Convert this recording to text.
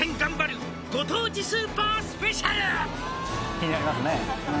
気になりますね